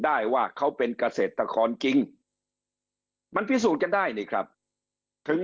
ได้ว่าเขาเป็นกระเศรษฐกรณ์กิ้งมันพิสูจน์จะได้นะครับถึง